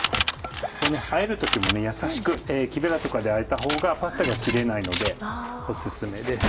ここに入る時もやさしく木ベラとかであえたほうがパスタが切れないのでお薦めです。